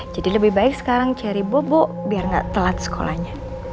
jadi lebih baik sekarang cherry bobo biar gak telat sekolahnya